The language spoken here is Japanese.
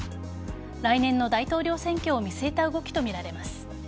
来年の大統領選挙を見据えた動きとみられます。